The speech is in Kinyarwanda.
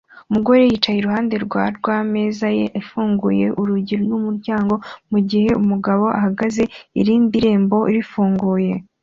Umugore yicaye iruhande rwa RWAMEZA ye ifunguye urugi rwumuryango mugihe umugabo ahagaze irindi rembo rifunguye